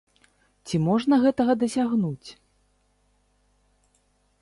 Ці можна гэтага дасягнуць?